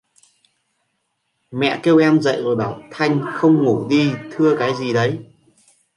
Mẹ kêu em dậy rồi bảo thanh không ngủ đi thưa cái gì đấy